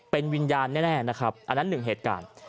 เป็นวิญญาณแน่นะครับอันนั้นหนึ่งเหตุการณ์